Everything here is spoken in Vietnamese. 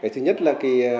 thứ nhất là